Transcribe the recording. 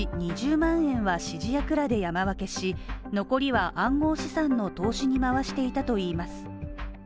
２０万円は指示役らで山分けし、残りは暗号資産の投資に回していたといいます。